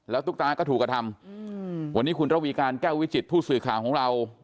ตุ๊กตาก็ถูกกระทำวันนี้คุณระวีการแก้ววิจิตผู้สื่อข่าวของเรา